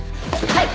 はい！